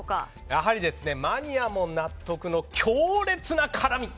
やはりマニアも納得の強烈な辛み。